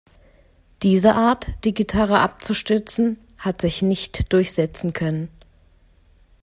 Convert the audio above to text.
Diese Art, die Gitarre abzustützen, hat sich nicht durchsetzen können.